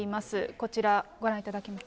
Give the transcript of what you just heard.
こちらご覧いただきます。